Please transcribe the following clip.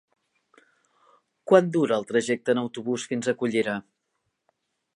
Quant dura el trajecte en autobús fins a Cullera?